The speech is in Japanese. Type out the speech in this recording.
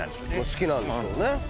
好きなんでしょうね。